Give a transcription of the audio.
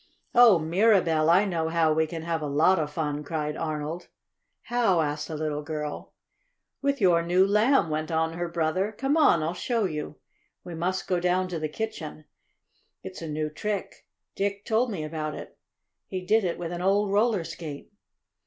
"Oh, Mirabell, I know how we can have a lot of fun!" cried Arnold. "How?" asked the little girl. "With your new Lamb," went on her brother. "Come on, I'll show you. We must go down to the kitchen. It's a new trick. Dick told me about it. He did it with an old roller skate."